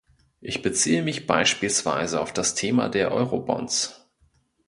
Ich beziehe mich beispielsweise auf das Thema der Eurobonds.